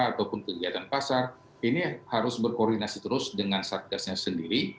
ataupun kegiatan pasar ini harus berkoordinasi terus dengan satgasnya sendiri